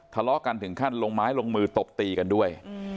ทะเลาะกันถึงขั้นลงไม้ลงมือตบตีกันด้วย